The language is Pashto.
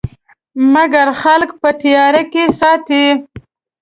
مګر خلک په تیارو کې ساتي.